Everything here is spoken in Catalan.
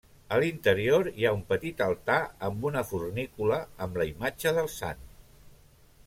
A l'interior hi ha un petit altar amb una fornícula amb la imatge del sant.